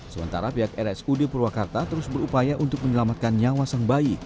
sementara pihak rsud purwakarta terus berupaya untuk menyelamatkan nyawa sang bayi